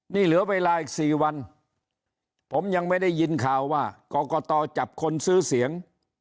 นี่เหลือเวลาอีก๔วันผมยังไม่ได้ยินข่าวว่ากรกตจับคนซื้อเสียง